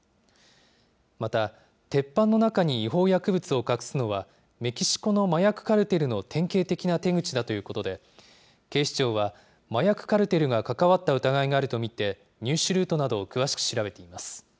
また鉄板の中に違法薬物を隠すのは、メキシコの麻薬カルテルの典型的な手口だということで、警視庁は麻薬カルテルが関わった疑いがあると見て入手ルートなどを詳しく調べています。